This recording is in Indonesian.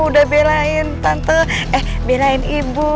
udah belain tante eh belain ibu